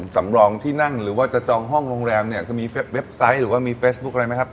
สำรองที่นั่งหรือว่าจะจองห้องโรงแรมเนี่ยจะมีเว็บไซต์หรือว่ามีเฟซบุ๊คอะไรไหมครับ